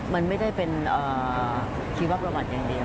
มันไม่ได้เป็นชีวประวัติอย่างเดียว